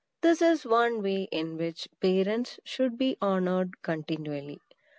This is one way in which parents should be honored continually.